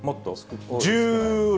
１６。